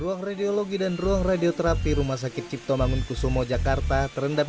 ruang radiologi dan ruang radioterapi rumah sakit cipto mangunkusumo jakarta terendam